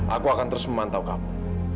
aku akan terus memantau kamu